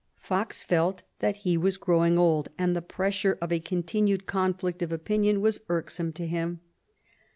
Fox felt that he was growing old, and the pressure of a continued conflict of opinion was irksome to him.